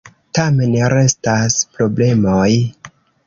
Tamen restas problemoj.